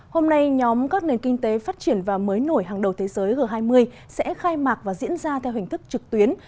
hôm nay nhóm các nền kinh tế phát triển và mới nổi hàng đầu thế giới g hai mươi sẽ khai mạc và diễn ra theo hình thức trực tuyến